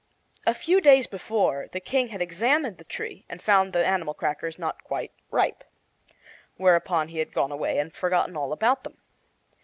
A few days before the King had examined the tree and found the animal crackers not quite ripe. Whereupon he had gone away and forgotten all about them.